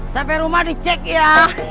sampai rumah dicek ya